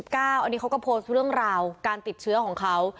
อันนี้เขาก็โพสต์เรื่องราวการติดเชื้อของเขา